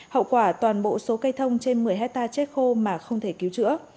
hậu quả toàn bộ số cây thông trên một mươi hectare chết khô mà không thể cứu chữa